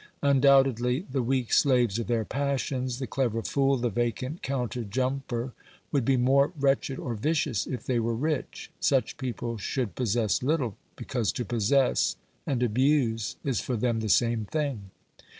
Undoubtedly, the weak slaves of their passions, the clever fool, the vacant counterjumper would be more wretched or vicious if they were rich ; such people should possess little, because to possess and abuse is for them the same thing.